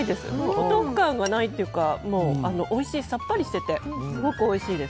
お豆腐感がないというかさっぱりしていてすごくおいしいです。